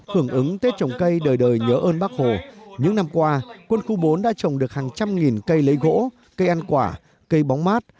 hưởng ứng tết trồng cây đời đời nhớ ơn bác hồ những năm qua quân khu bốn đã trồng được hàng trăm nghìn cây lấy gỗ cây ăn quả cây bóng mát